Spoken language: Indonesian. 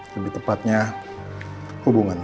lebih tepatnya hubungannya